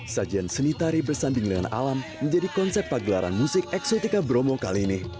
sajian seni tari bersanding dengan alam menjadi konsep pagelaran musik eksotika bromo kali ini